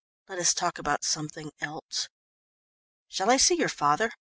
"Let us talk about something else." "Shall I see your father?